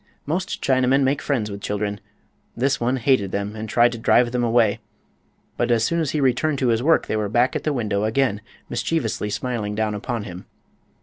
Most Chinamen make friends with children; this one hated them and tried to drive them away. But as soon as he returned to his work they were back at the window again, mischievously smiling down upon him.